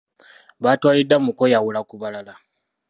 Baatwaliddwa mu kweyawula ku balala.